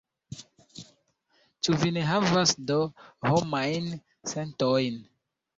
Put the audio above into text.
Ĉu vi ne havas do homajn sentojn?